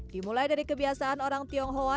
dimulai dari kebiasaan orang tionghoa